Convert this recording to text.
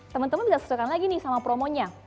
temen temen bisa sesuaikan lagi nih sama promonya